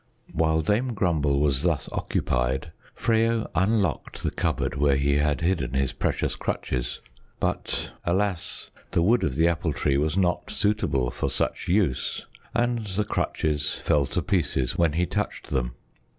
While Dame Grumble was thus occupied, Freyo unlocked the cupboard where he had hidden his precious crutches. But, alas! The wood of the Apple Tree was not suitable for such use, and the crutches fell to pieces when he touched them.